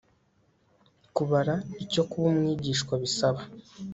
kubara icyo kuba umwigishwa bisaba